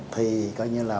thì coi như là